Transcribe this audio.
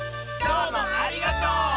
どうもありがとう！